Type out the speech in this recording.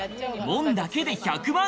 門だけで１００万！